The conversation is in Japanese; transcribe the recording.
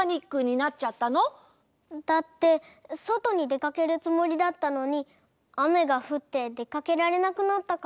だってそとにでかけるつもりだったのにあめがふってでかけられなくなったから。